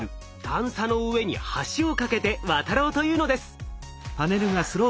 段差の上に橋を架けて渡ろうというのです。